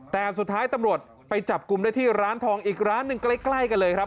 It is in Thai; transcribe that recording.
แต่สุดท้ายตำรวจไปจับกลุ่มได้ที่ร้านทองอีกร้านหนึ่งใกล้กันเลยครับ